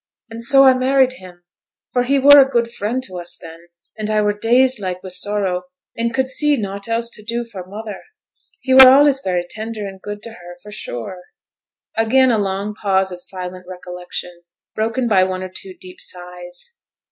and so I married him; for he were a good friend to us then, and I were dazed like wi' sorrow, and could see naught else to do for mother. He were allays very tender and good to her, for sure.' Again a long pause of silent recollection, broken by one or two deep sighs.